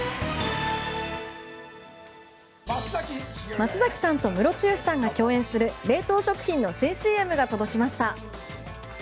松崎さんとムロツヨシさんが共演する冷凍食品の新ＣＭが届きました。